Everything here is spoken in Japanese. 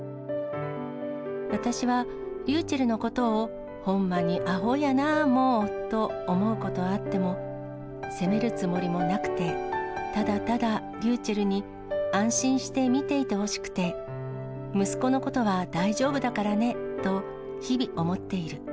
私はりゅうちぇるのことを、ほんまにあほやなあもうと思うことはあっても、責めるつもりもなくて、ただただりゅうちぇるに安心して見ていてほしくて、息子のことは大丈夫だからねと日々、思っている。